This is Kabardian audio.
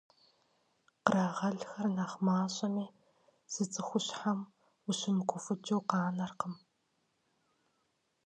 Кърагъэлхэр нэхъ мащӀэми, зы цӀыхущхьэм ущымыгуфӀыкӀыу къанэркъым.